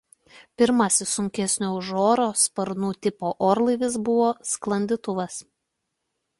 Pirmasis sunkesnio už orą sparnų tipo orlaivis buvo sklandytuvas.